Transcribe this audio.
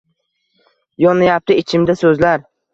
Yonayapti ichimda so’zlar